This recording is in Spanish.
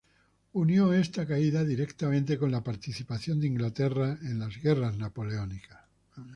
Unió esta caída directamente con la participación de Inglaterra en las Guerras Napoleónicas.